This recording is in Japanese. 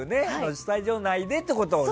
スタジオ内でってことをね。